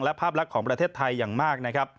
และภาพลักษณ์ของประเทศไทยอย่างมากนะครับ